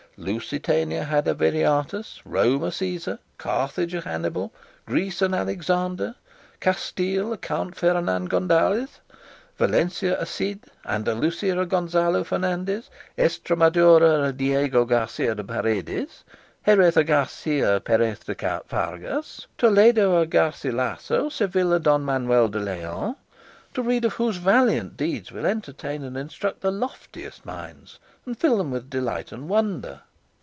Lusitania had a Viriatus, Rome a Caesar, Carthage a Hannibal, Greece an Alexander, Castile a Count Fernan Gonzalez, Valencia a Cid, Andalusia a Gonzalo Fernandez, Estremadura a Diego Garcia de Paredes, Jerez a Garci Perez de Vargas, Toledo a Garcilaso, Seville a Don Manuel de Leon, to read of whose valiant deeds will entertain and instruct the loftiest minds and fill them with delight and wonder.